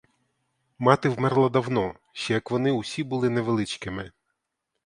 Мати вмерла давно, ще як вони усі були невеличкими.